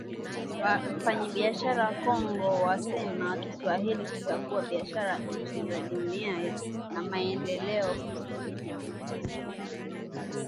Wafanyabiashara Kongo wasema Kiswahili kitakuza biashara nchi za Jumuiya ya Maendeleo Kusini mwa Afrika